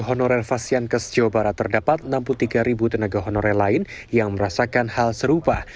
honorer fasian kes jawa barat terdapat enam puluh tiga tenaga honorer lain yang merasakan hal serupa